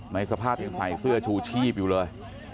ในสภาพยังใส่เสื้อชูชีพอยู่เลย